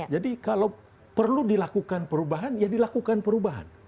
jadi kalau perlu dilakukan perubahan ya dilakukan perubahan